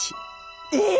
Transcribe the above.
えっ！